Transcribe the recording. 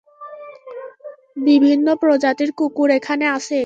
বিভিন্ন প্রজাতির কুকুর এখানে আছে।